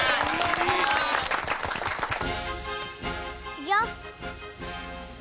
いくよ！